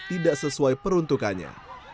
tidak sesuai peruntukannya